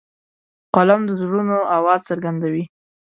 قلم د زړونو آواز څرګندوي